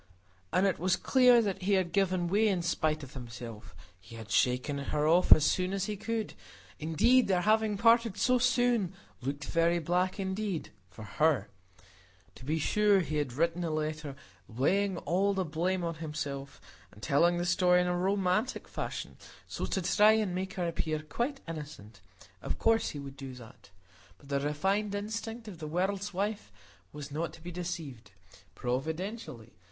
And it was clear that he had given way in spite of himself: he had shaken her off as soon as he could; indeed, their having parted so soon looked very black indeed—for her. To be sure, he had written a letter, laying all the blame on himself, and telling the story in a romantic fashion so as to try and make her appear quite innocent; of course he would do that! But the refined instinct of the world's wife was not to be deceived; providentially!